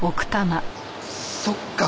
そっか。